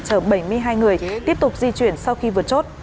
chở bảy mươi hai người tiếp tục di chuyển sau khi vượt chốt